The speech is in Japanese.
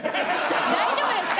大丈夫ですか？